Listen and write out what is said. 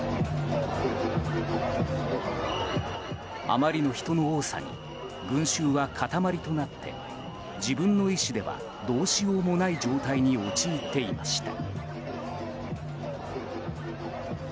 あまりの人の多さに群衆は塊となって自分の意志ではどうしようもない状態に陥っていました。